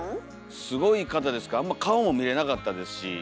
すごい方ですからあんま顔も見れなかったですし